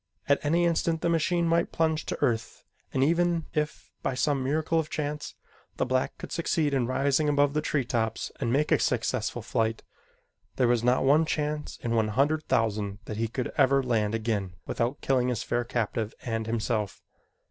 At any instant the machine might plunge to earth and even if, by some miracle of chance, the black could succeed in rising above the tree tops and make a successful flight, there was not one chance in one hundred thousand that he could ever land again without killing his fair captive and himself.